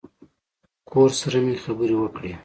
کور سره مې خبرې وکړې.